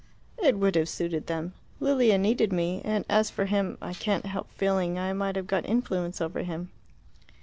"It would have suited them. Lilia needed me. And as for him I can't help feeling I might have got influence over him."